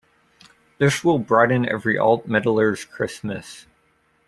This will brighten every alt-metaller's Christmas.